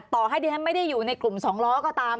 ต่อให้ดิฉันไม่ได้อยู่ในกลุ่ม๒ล้อก็ตาม